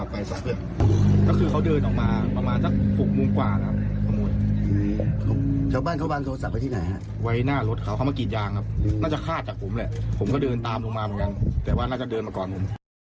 ผมก็เดินตามลงมาเหมือนกันแต่ว่าน่าจะเดินมาก่อนผม